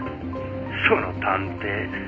その探偵。